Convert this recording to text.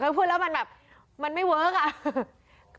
พูดแล้วมันแบบมันไม่เวิร์คอ่ะ